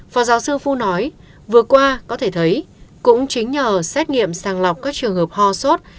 phó giáo sư phu nói vừa qua có thể thấy cũng chính nhờ xét nghiệm sàng lọc các trường hợp ho sốt